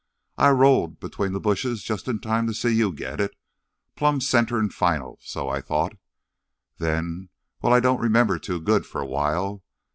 I rolled between th' bushes jus' in time to see you get it—plumb center an' final, so I thought. Then ... well, I don't remember too good for a while.